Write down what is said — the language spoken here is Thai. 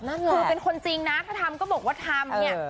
คือเป็นคนจริงนะถ้าทำก็บอกว่าทำเนี่ย